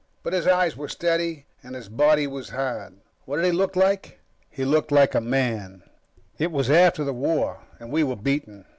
But his eyes were steady and his body was hard. What did he look like? He looked like a man. It was after the war, and we were beaten.